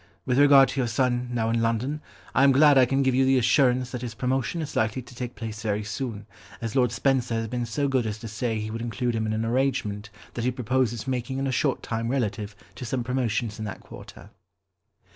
With regard to your son, now in London, I am glad I can give you the assurance that his promotion is likely to take place very soon, as Lord Spencer has been so good as to say he would include him in an arrangement that he proposes making in a short time relative to some promotions in that quarter.